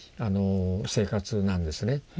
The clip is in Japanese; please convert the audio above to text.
生活なんですね。